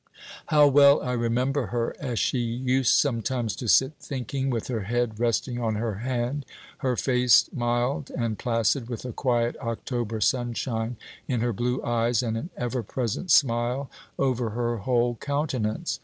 How well I remember her, as she used sometimes to sit thinking, with her head resting on her hand, her face mild and placid, with a quiet October sunshine in her blue eyes, and an ever present smile over her whole countenance.